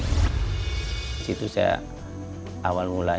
di situ saya awal mulanya mengambil tempat ini